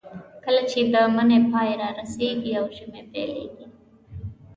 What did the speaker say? کله چې د مني پای رارسېږي او ژمی پیلېږي.